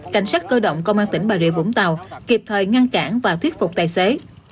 cảnh sát cơ động công an tỉnh bà rịa vũng tàu kịp thời ngăn cản và thuyết phục tài xế